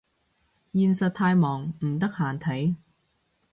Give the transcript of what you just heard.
現實太忙唔得閒睇